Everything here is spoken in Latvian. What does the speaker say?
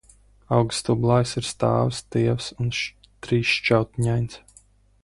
Auga stublājs ir stāvs, tievs un trīsšķautņains.